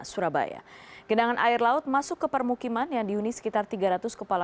saya sudah aku spheres terusmu total